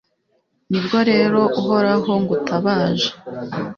Ni bwo rero Uhoraho ngutabaje